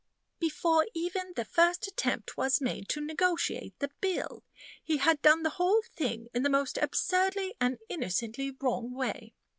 "Before even the first attempt was made to negotiate the bill. He had done the whole thing in the most absurdly and innocently wrong way.